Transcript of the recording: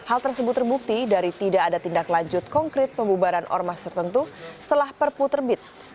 hal tersebut terbukti dari tidak ada tindak lanjut konkret pembubaran ormas tertentu setelah perpu terbit